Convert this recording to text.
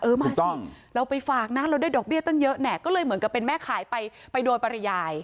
มาสิเราไปฝากนะเราได้ดอกเบี้ยตั้งเยอะเนี่ยก็เลยเหมือนกับเป็นแม่ขายไปโดยปริยาย